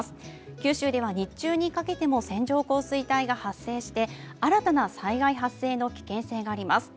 九州では日中にかけても線状降水帯が発生して新たな災害発生の危険性があります。